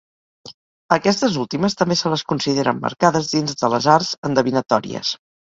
A aquestes últimes també se les considera emmarcades dins de les arts endevinatòries.